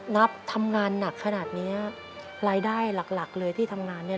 นับทำงานหนักขนาดเนี้ยรายได้หลักเลยที่ทำงานเนี่ย